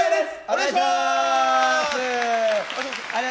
お願いします！